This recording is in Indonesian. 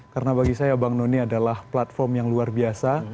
karena bagi saya abang none adalah platform yang luar biasa